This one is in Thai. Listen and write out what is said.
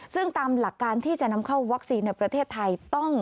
ซึ่งตามหลักการที่จะนำเข้าวัคซีนในประเทศไทย